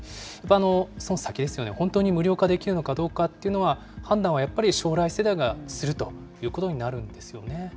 その先ですよね、本当に無料化できるかどうかっていうのは、判断はやっぱり将来世代がするということになるんですよね。